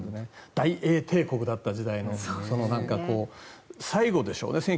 大英帝国だった時代の最後でしょ。